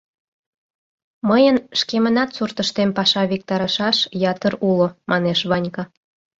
Мыйын шкемынат суртыштем паша виктарышаш ятыр уло, — манеш Ванька.